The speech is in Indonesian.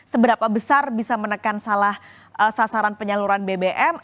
seberapa besar bisa menekan salah sasaran penyaluran bbm